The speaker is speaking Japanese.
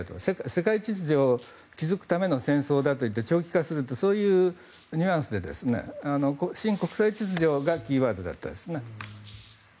世界地図上を築くための戦争だと言って長期化するとそういうニュアンスで国際秩序がキーワードだったんですね。